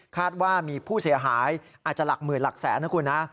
ว่ามีผู้เสียหายอาจจะหลักหมื่นหลักแสนนะคุณนะ